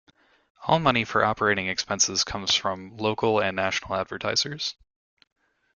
All money for operating expenses comes from local and national advertisers.